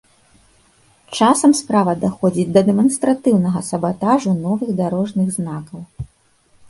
Часам справа даходзіць да дэманстратыўнага сабатажу новых дарожных знакаў.